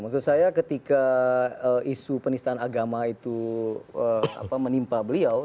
maksud saya ketika isu penistaan agama itu menimpa beliau